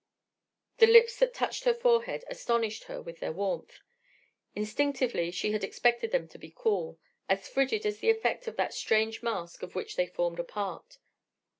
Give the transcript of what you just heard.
The lips that touched her forehead astonished her with their warmth. Instinctively she had expected them to be cool, as frigid as the effect of that strange mask of which they formed a part.